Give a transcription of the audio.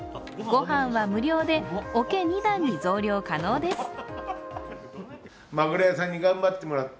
御飯は、無料でおけ２段に増量可能です。